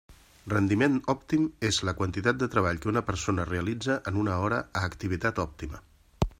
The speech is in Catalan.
Rendiment òptim és la quantitat de treball que una persona realitza en una hora a activitat òptima.